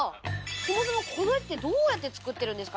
そもそもこれってどうやって作ってるんですかね？